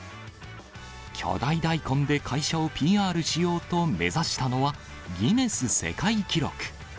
巨大大根で会社をＰＲしようと目指したのは、ギネス世界記録。